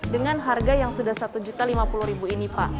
dengan harga yang sudah rp satu lima puluh ini pak